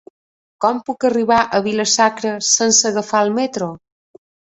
Com puc arribar a Vila-sacra sense agafar el metro?